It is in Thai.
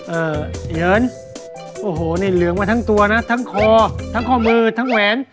เอ่อเหินโอ้โหนี่เหลืองมาทั้งตัวนะทั้งคอทั้งข้อมือทั้งแหวน